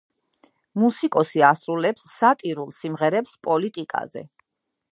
მუსიკოსი ასრულებს სატირულ სიმღერებს პოლიტიკაზე.